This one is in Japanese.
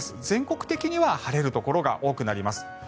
全国的には晴れるところが多くなります。